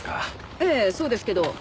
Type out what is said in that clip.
ええそうですけど。